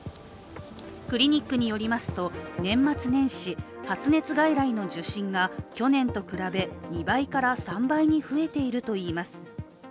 クリニックによりますと、年末年始、発熱外来の受診が去年と比べ、２倍から３倍に増えているといいます。